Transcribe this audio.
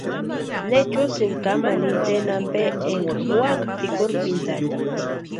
¿Necha úsïni kamani inteni ampe enka úaka pʼikurhpintani?